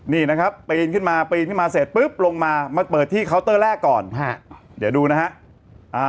นี่นะครับปีนขึ้นมาปีนขึ้นมาเสร็จปุ๊บลงมามาเปิดที่เคาน์เตอร์แรกก่อนฮะเดี๋ยวดูนะฮะ